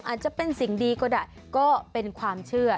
อาจจะเป็นสิ่งดีก็ได้ก็เป็นความเชื่อ